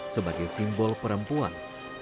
sebagai simbol perempuan